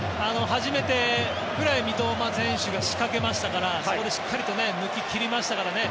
初めてくらい三笘選手が仕掛けましたからそこでしっかりと抜き切りましたからね。